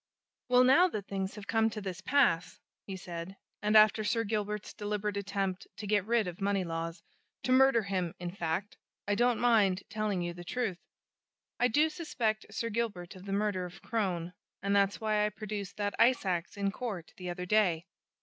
"Well, now that things have come to this pass," he said, "and after Sir Gilbert's deliberate attempt to get rid of Moneylaws to murder him, in fact I don't mind telling you the truth. I do suspect Sir Gilbert of the murder of Crone and that's why I produced that ice ax in court the other day.